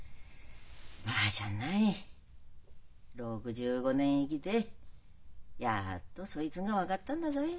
ばあちゃんない６５年生きてやっとそいつが分かったんだぞい。